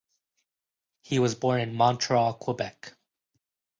He was born in Montreal, Quebec.